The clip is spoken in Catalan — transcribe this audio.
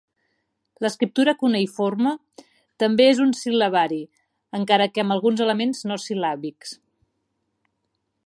L'escriptura cuneïforme també és un sil·labari, encara que amb alguns elements no sil·làbics.